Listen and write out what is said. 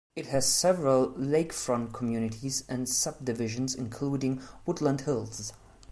It has several lakefront communities and subdivisions, including Woodland Hills.